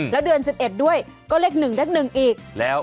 แล้วเดือน๑๑ด้วยก็เลข๑เลข๑อีกแล้ว